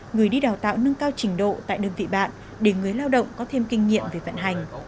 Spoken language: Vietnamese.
người đi đào tạo nâng cao trình độ tại đơn vị bạn để người lao động có thêm kinh nghiệm về vận hành